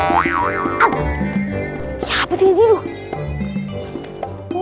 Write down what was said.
wiha abadi diriku